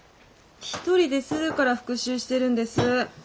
１人でするから復習してるんです。